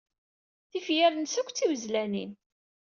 Tifyar-nnes akk d tiwezlanen.